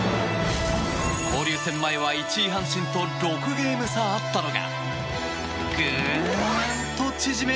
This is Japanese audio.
交流戦前は１位、阪神と６ゲーム差あったのがグーンと縮め